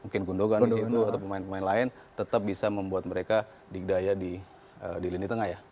mungkin gundogan di situ atau pemain pemain lain tetap bisa membuat mereka dikdaya di lini tengah ya